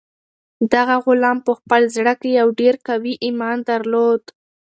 دغه غلام په خپل زړه کې یو ډېر قوي ایمان درلود.